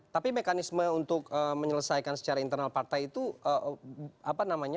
tapi mekanisme untuk menyelesaikan secara internal partai itu apa namanya